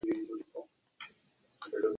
Чему ж ты удивляешься?